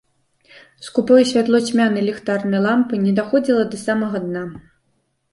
Скупое святло цьмянай ліхтарнай лямпы не даходзіла да самага дна.